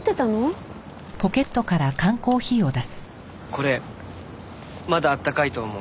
これまだあったかいと思う。